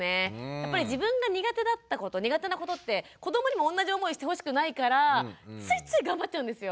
やっぱり自分が苦手だったこと苦手なことって子どもにもおんなじ思いしてほしくないからついつい頑張っちゃうんですよ。